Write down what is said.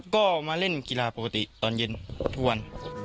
ก็มาเล่นกีฬาปกติตอนเย็นทุกวัน